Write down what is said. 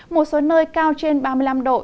một số nơi cao trên ba mươi năm độ